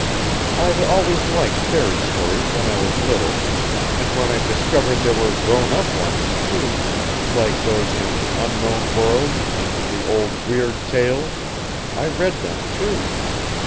I'd always liked fairy stories when I was little and when I discovered there were grown up ones, too, like those in Unknown Worlds and the old Weird Tales, I read them, too.